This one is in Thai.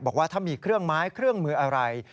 บอกว่าถ้ามีเครื่องไม้เครื่องมืออะไร